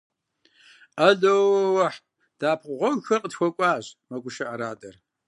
– Ало-уэхь, дэӀэпыкъуэгъухэр къытхуэкӀуащ, – мэгушыӀэ адэр.